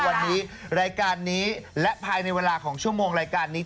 วันนี้รายการนี้และภายในเวลาของชั่วโมงรายการนี้